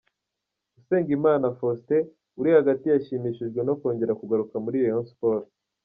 Usengimana Faustin uri hagati yashimishijwe no kongera kugaruka muri Rayon Sports.